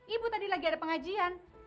ibu tadi lagi ada pengajian